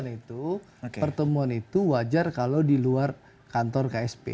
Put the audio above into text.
pertemuan itu pertemuan itu wajar kalau di luar kantor ksp